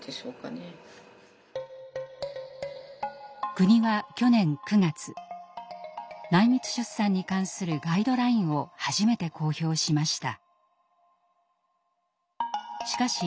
国は去年９月内密出産に関するガイドラインを初めて公表しました。